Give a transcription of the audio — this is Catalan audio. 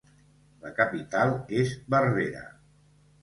La capital és Berbera.